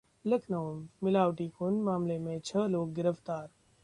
लखनऊ: मिलावटी खून मामले में छह लोग गिरफतार